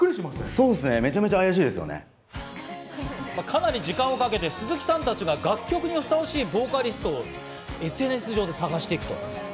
かなり時間をかけて鈴木さんたちが楽曲にふさわしいボーカリストをＳＮＳ上で探していくと。